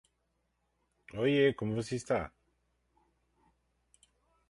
Dessalines had two brothers, Louis and Joseph Duclos, who also took the name Dessalines.